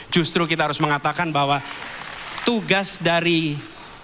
justru kita harus mengatakan bahwa tugas dari pemerintah